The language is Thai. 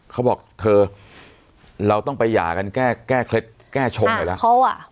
เขาบอกเธอเราต้องไปหย่ากันแก้แก้แก้ชงไปแล้วอ่าเขาอ่ะ